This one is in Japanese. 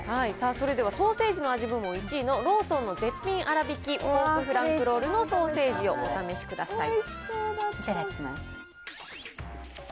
それではソーセージの味部門１位のローソンの絶品あらびきぽーくフランクロールのソーセージをお試しください。